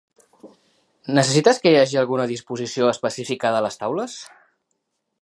Necessites que hi hagi alguna disposició específica de les taules?